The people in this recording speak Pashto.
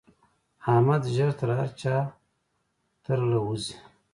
احمد ژر تر هر چا تر له وزي.